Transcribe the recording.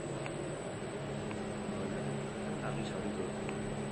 Aipatu iturriak zehaztu duenaren arabera, larri zauritu dute.